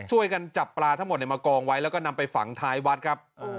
ช่วยกันจับปลาทั้งหมดมากองไว้แล้วก็นำไปฝังท้ายวัดครับ